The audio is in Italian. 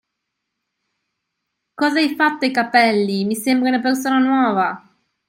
Cosa hai fatto ai capelli? Mi sembri una persona nuova!